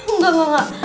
enggak enggak enggak